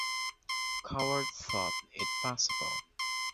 Coward thought it passable.